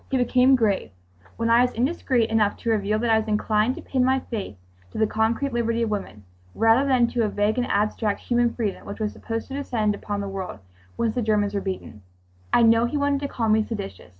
He became grave. When I was indiscreet enough to reveal that I was inclined to pin my faith to the concrete liberty of women, rather than to a vague and abstract "human freedom," which was supposed to descend upon the world, once the Germans were beaten, I know he wanted to call me "seditious."